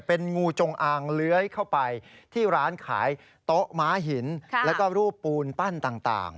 เป็นงูจงอางเลื้อยเข้าไปที่ร้านขายโต๊ะม้าหินแล้วก็รูปปูนปั้นต่าง